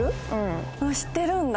知ってるんだ。